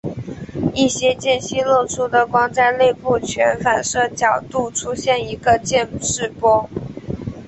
一些间隙漏出的光在内部全反射角度出现一个渐逝波。